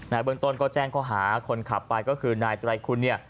เบื้องต้นก็แจ้งข้อหาคนขับไปก็คือนายไตรคุณเนี่ย